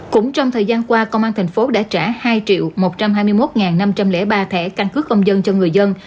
cũng trong thời gian qua công an tp hcm đã trả hai triệu một trăm hai mươi một năm trăm linh ba thẻ căn cứ công dân cho người dân